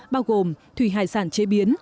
bao gồm thủy hải sản chế biến